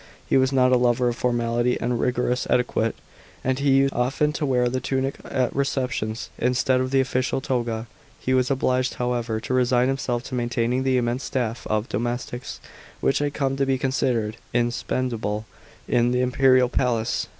He was not a lover of formality and rigorous etiquette, and he used often to weai the tunic at receptions, instead of the official toga. He was obliged, however, to resign himself to maintaining the immense staff of domestics, which had come to be considered ind spensable in the imperial "palace."